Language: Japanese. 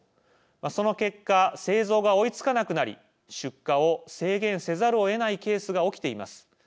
その結果製造が追いつかなくなり出荷を制限せざるをえないケースが起きています。